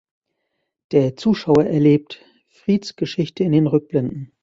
Der Zuschauer erlebt Frieds Geschichte in den Rückblenden.